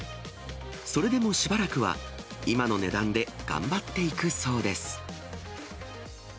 それでもしばらくは、今の値段で頑張っていくそうです。